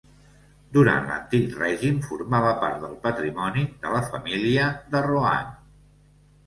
Durant l'Antic Règim, formava part del patrimoni de la família de Rohan.